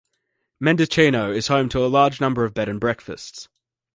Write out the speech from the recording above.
Mendocino is home to a large number of bed and breakfasts.